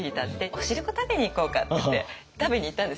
お汁粉食べに行こうかって言って食べに行ったんです。